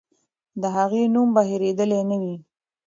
د هغې نوم به هېرېدلی نه وي.